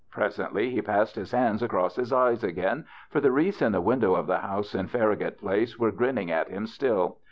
Presently he passed his hands across his eyes again, for the wreaths in the windows of the liouse in Far ragut Place were grinning at him still.